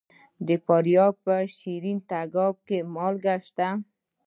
د فاریاب په شیرین تګاب کې مالګه شته.